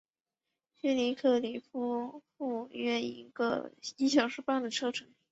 距离克利夫兰约一小时半的车程。